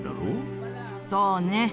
そうね。